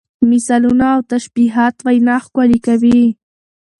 مثالونه او تشبیهات وینا ښکلې کوي.